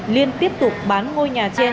liên tiếp tục bán ngôi nhà trên